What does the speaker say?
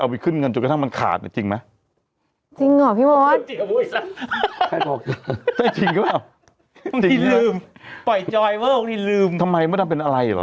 ที่ลืมปล่อยจอยเลิกนี่ลืมทำไมมดดำเป็นอะไรเหรอ